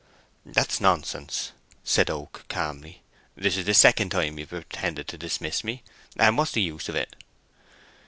"That's nonsense," said Oak, calmly. "This is the second time you have pretended to dismiss me; and what's the use o' it?"